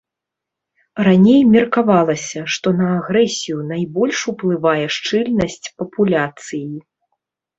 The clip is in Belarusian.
Раней меркавалася, што на агрэсію найбольш уплывае шчыльнасць папуляцыі.